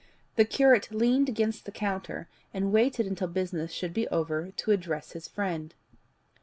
The curate leaned against the counter, and waited until business should be over to address his friend.